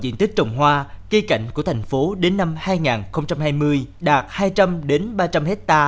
diện tích trồng hoa cây cảnh của thành phố đến năm hai nghìn hai mươi đạt hai trăm linh ba trăm linh hectare